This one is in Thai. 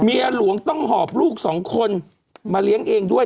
เมียหลวงต้องหอบลูกสองคนมาเลี้ยงเองด้วย